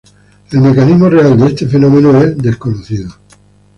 El mecanismo real de este fenómeno es desconocido.